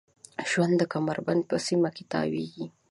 د ژوند کمربند په سیمه کې تاویږي.